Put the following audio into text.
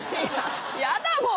やだもう。